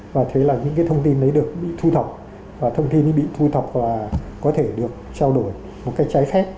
và thế là những cái thông tin đấy được bị thu thọc và thông tin bị thu thọc và có thể được trao đổi một cách trái khép